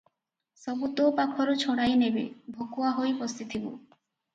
ସବୁ ତୋ ପାଖରୁ ଛଡ଼ାଇ ନେବେ, ଭକୁଆ ହୋଇ ବସିଥିବୁ ।